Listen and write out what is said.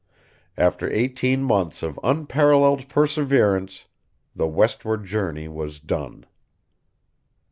After eighteen months of unparalleled perseverance, the westward journey was done.